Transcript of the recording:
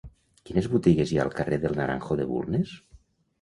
Quines botigues hi ha al carrer del Naranjo de Bulnes?